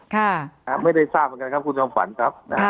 ก็ไม่ได้ทราบครับคุณสัมภัณฑ์ครับ